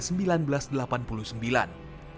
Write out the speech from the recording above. saat itu aliran listrik di provinsi quebec